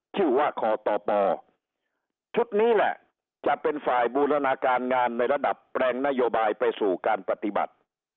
คอตชุดนี้แหละจะเป็นฝ่ายบูรณาการงานในระดับแปลงนโยบายไปสู่การปฏิบัติ